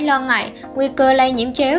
lo ngại nguy cơ lây nhiễm chéo